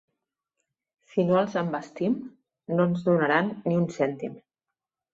Si no els envestim, no ens donaran ni un cèntim.